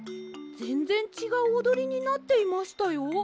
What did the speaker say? ぜんぜんちがうおどりになっていましたよ。